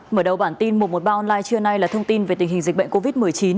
mở đầu bản tin một trăm một mươi ba online trưa nay là thông tin về tình hình dịch bệnh covid một mươi chín